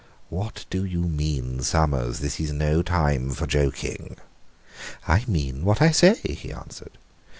"What do you mean, Summers? This is no time for joking." "I mean what I say," he answered.